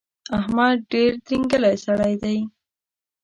احمد ډېر ترینګلی سړی دی.